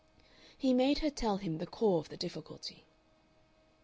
He made her tell him the core of the difficulty.